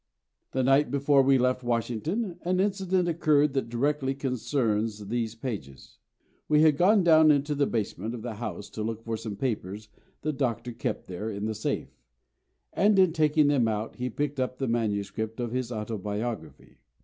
The night before we left Washington an incident occurred that directly concerns these pages. We had gone down into the basement of the house to look for some papers the Doctor kept there in the safe, and in taking them out he picked up the manuscript of his autobiography.